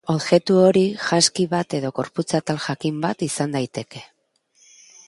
Objektu hori janzki bat edo gorputz-atal jakin bat izan daiteke.